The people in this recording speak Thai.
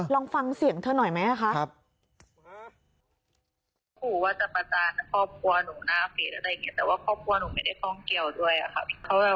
ลองฟังเสียงเธอหน่อยไหมคะ